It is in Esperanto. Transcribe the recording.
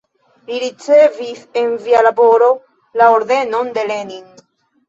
Li ricevis por lia laboro la Ordenon de Lenin.